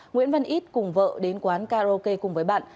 nguyễn văn ít cùng vợ đến quán karaoke cùng với bạn